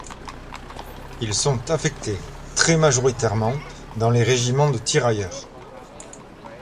Ils sont affectés très majoritairement dans les régiments de tirailleurs.